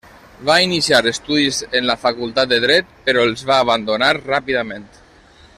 Va iniciar estudis en la Facultat de Dret, però els va abandonar ràpidament.